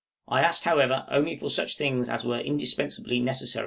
I asked, however, only for such things as were indispensably necessary.